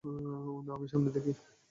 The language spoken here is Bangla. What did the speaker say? না, আমি সামনে দেখি।